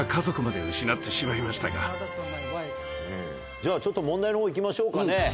じゃあちょっと問題のほう行きましょうかね。